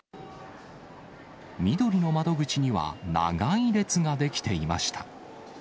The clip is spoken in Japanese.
みどりの窓口には、長い列が出来ていました。